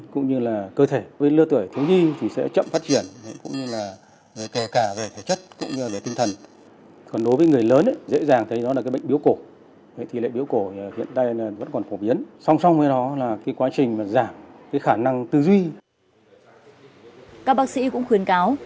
các bác sĩ cũng khuyên cáo